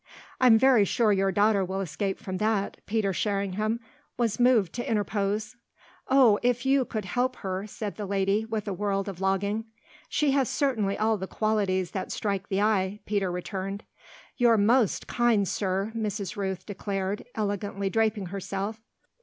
"I'm very sure your daughter will escape from that," Peter Sherringham was moved to interpose. "Oh if you could help her!" said the lady with a world of longing. "She has certainly all the qualities that strike the eye," Peter returned. "You're most kind, sir!" Mrs. Rooth declared, elegantly draping herself.